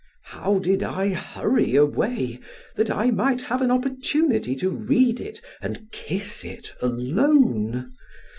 How did I hurry away that I might have an opportunity to read and kiss it alone!